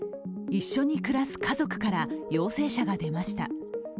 一緒に暮らす家族から陽性者が出ました。